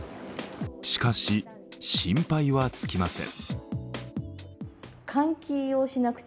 しかし、心配は尽きません。